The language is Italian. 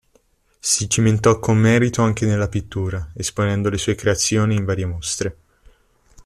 Si cimentò con merito anche nella pittura, esponendo le sue creazioni in varie mostre.